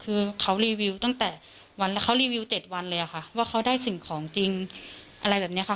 คือเขารีวิวตั้งแต่วันแล้วเขารีวิว๗วันเลยค่ะว่าเขาได้สิ่งของจริงอะไรแบบนี้ค่ะ